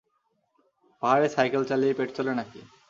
পাহাড়ে সাইকেল চালিয়ে পেট চলে নাকি?